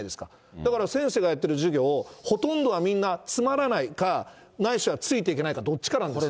だから先生がやってる授業を、ほとんどがみんなつまらないか、ないしはついていけないか、どっちかなんですよ。